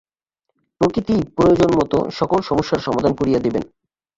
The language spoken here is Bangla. প্রকৃতিই প্রয়োজনমত সকল সমস্যার সমাধান করিয়া দিবেন।